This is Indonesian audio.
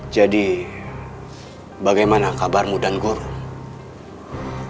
jadi bagaimana kabarmu dan guru